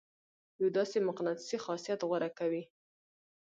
يو داسې مقناطيسي خاصيت غوره کوي.